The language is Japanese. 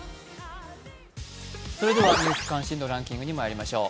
それでは「ニュース関心度ランキング」にまいりましょう。